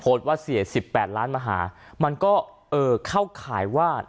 โพสต์ว่าเสียสิบแปดล้านมาหามันก็เอ่อเข้าขายว่า